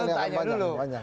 udah panjang dulu